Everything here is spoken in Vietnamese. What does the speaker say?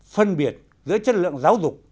phân biệt giữa chất lượng giáo dục